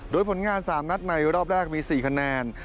โดยผลงาน๓นัดในรอบแรกมี๔คะแนน